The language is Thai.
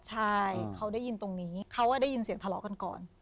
ใช่เขาได้ยินตรงนี้เขาได้ยินเสียงทะเลาะกันก่อน